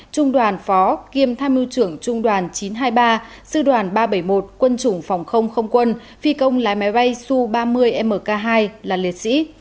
trung đoàn phó kiêm tham mưu trưởng trung đoàn chín trăm hai mươi ba sư đoàn ba trăm bảy mươi một quân chủng phòng không không quân phi công lái máy bay su ba mươi mk hai là liệt sĩ